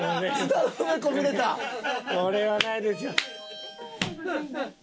これはないですよ。